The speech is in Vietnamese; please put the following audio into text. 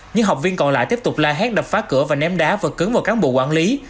những học viên còn lại tiếp tục la hét đập phá cửa và ném đá và cứng vào cán bộ quản lý